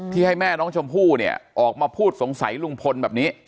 ให้แม่น้องชมพู่เนี่ยออกมาพูดสงสัยลุงพลแบบนี้